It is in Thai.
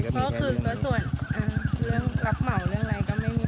เพราะคือส่วนเรื่องรักเหมาเรื่องไรก็ไม่มีปัญหา